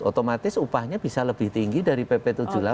otomatis upahnya bisa lebih tinggi dari pp tujuh puluh delapan